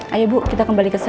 ayo bu kita kembali ke sini